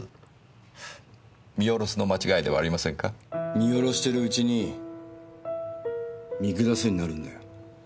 見下ろしてるうちに見下すようになるんだよ。